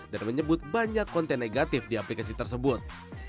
dan menyebut banyak konten negatif di aplikasi tersebut